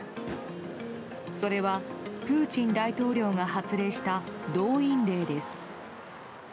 それはプーチン大統領が発令した動員令です。